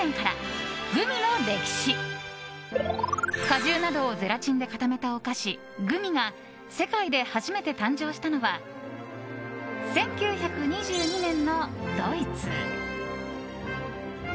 果汁などをゼラチンで固めたお菓子グミが世界で初めて誕生したのは１９２２年のドイツ。